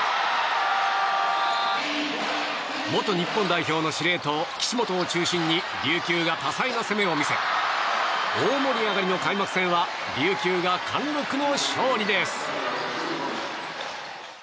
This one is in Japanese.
元日本代表の司令塔岸本を中心に琉球が多彩な攻めを見せ大盛り上がりの開幕戦は琉球が貫録の勝利です。